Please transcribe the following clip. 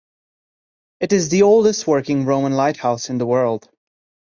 It is the oldest working Roman lighthouse in the world.